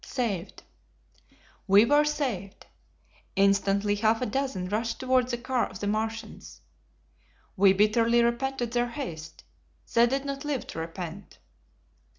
Saved! We were saved! Instantly half a dozen rushed toward the car of the Martians. We bitterly repented their haste; they did not live to repent.